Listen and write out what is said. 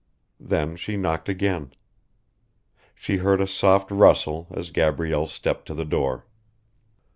Then she knocked again. She heard a soft rustle as Gabrielle stepped to the door.